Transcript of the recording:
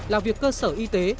là việc cơ sở y tế